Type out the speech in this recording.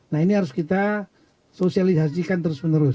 nah ini harus kita sosialisasikan terus menerus